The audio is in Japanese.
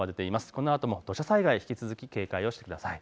このあとも土砂災害、引き続き警戒をしてください。